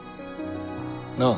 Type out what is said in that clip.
なあ。